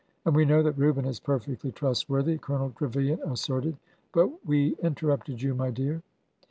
'' And we know that Reuben is perfectly trustworthy,'^ Colonel Trevilian asserted. But we interrupted you, my dear."